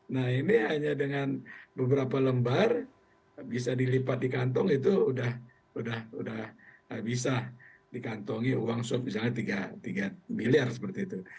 nah ini hanya dengan beberapa lembar bisa dilipat di kantong itu sudah bisa dikantongi uang suap misalnya tiga miliar seperti itu